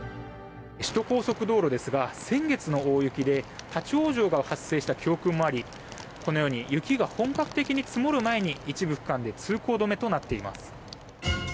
首都高速道路ですが先月の大雪で立ち往生が発生した教訓もありこのように雪が本格的に積もる前に一部区間で通行止めとなっています。